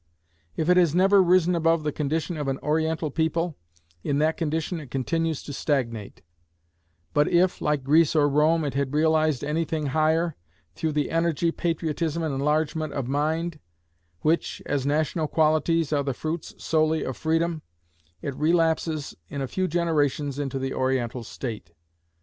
If it has never risen above the condition of an Oriental people, in that condition it continues to stagnate; but if, like Greece or Rome, it had realized any thing higher, through the energy, patriotism, and enlargement of mind, which, as national qualities, are the fruits solely of freedom, it relapses in a few generations into the Oriental state.